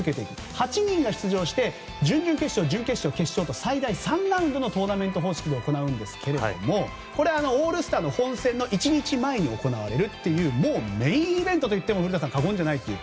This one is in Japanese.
８人が出場して準々決勝、準決勝、決勝と最大３ラウンドのトーナメント形式で行うんですけどオールスターの本戦の１日前に行われるという古田さん、メインイベントといっても過言じゃないという。